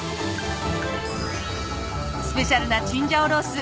スペシャルなチンジャオロース